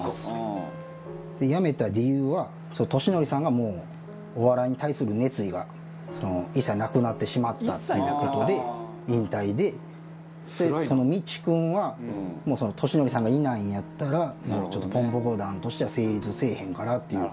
辞めた理由はとしのりさんがもうお笑いに対する熱意が一切なくなってしまったっていう事で引退でみちくんはとしのりさんがいないんやったらポンポコ団としては成立せえへんからっていう事で